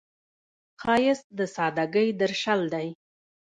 ښایست د سادګۍ درشل دی